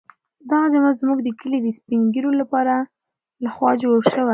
دغه جومات زموږ د کلي د سپین ږیرو لخوا جوړ شوی.